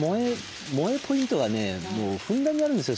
萌えポイントがねもうふんだんにあるんですよ